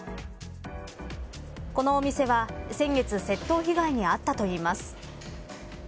このお店は先月窃盗被害に遭ったといいます。